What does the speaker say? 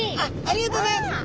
ありがとうございます。